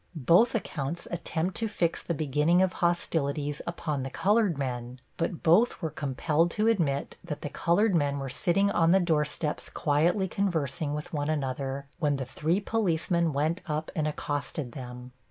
Both accounts attempt to fix the beginning of hostilities upon the colored men, but both were compelled to admit that the colored men were sitting on the doorsteps quietly conversing with one another when the three policemen went up and accosted them.